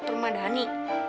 semua udah jadi